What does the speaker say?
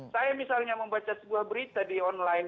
saya misalnya membaca sebuah berita di online